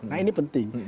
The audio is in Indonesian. nah ini penting